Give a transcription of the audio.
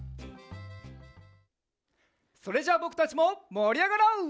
それじゃあぼくたちももりあがろう！